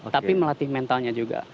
tapi melatih mentalnya juga